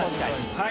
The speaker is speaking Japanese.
はい。